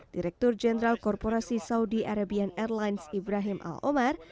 direktur jenderal korporasi saudi arabian airlines ibrahim al omar